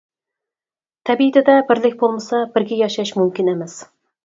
تەبىئىتىدە بىرلىك بولمىسا بىرگە ياشاش مۇمكىن ئەمەس.